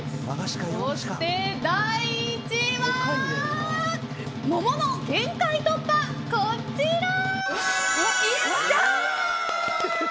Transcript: そして第１位は桃の限界突破こちら！